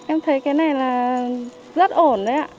em thấy cái này là rất ổn đấy ạ